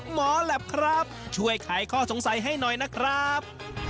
หมอแหลปครับช่วยขายข้อสงสัยให้หน่อยนะครับ